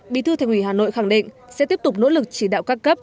bí thư thành ủy hà nội khẳng định sẽ tiếp tục nỗ lực chỉ đạo các cấp